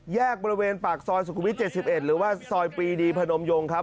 แยกบริเวณปากซอยสุขุวิต๗๑หรือว่าซอยปีดีพนมยงครับ